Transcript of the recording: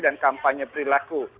dan kampanye perilaku